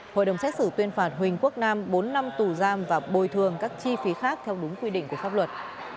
hội đồng xét xử tuyên phạt huỳnh quốc nam bốn năm tù giam và bồi thường các chi phí khác theo đúng quy định của pháp luật